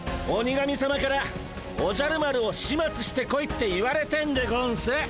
鬼神さまからおじゃる丸をしまつしてこいって言われてんでゴンス。